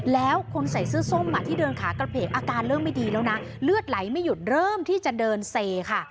แล้วคนใส่เสื้อส้มที่เดินขากระเพกอาการเริ่มไม่ดีแล้วนะเลือดไหลไม่หยุดเริ่มที่จะเดินเซค่ะ